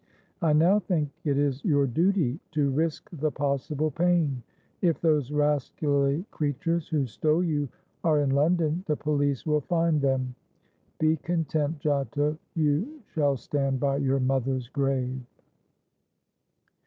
I now think it is your duty to risk the possible pain. If those rascally creatures who stole you are in London, the police will find them. Be content, Giotto; you shall stand by your mother's grave!"